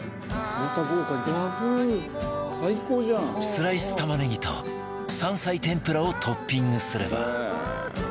スライス玉ねぎと山菜天ぷらをトッピングすれば